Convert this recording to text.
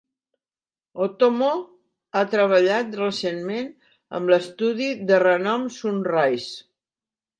Otomo ha treballat recentment amb l"estudi de renom Sunrise.